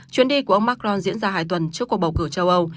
chuyến đi của ông macron diễn ra hai tuần trước cuộc bầu cử châu âu